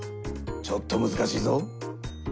ちょっとむずかしいぞ。